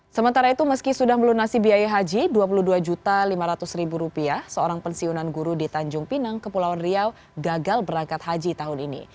sementara itu meski sudah melunasi biaya haji rp dua puluh dua lima ratus seorang pensiunan guru di tanjung pinang kepulauan riau gagal berangkat haji tahun ini